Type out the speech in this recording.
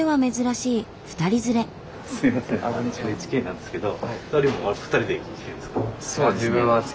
ＮＨＫなんですけど。